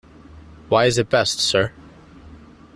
Why is it best, sir?